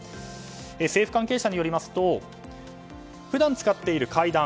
政府関係者によりますと普段使っている階段